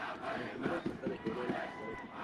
En el primero, cuenta la historia de la familia Orozco.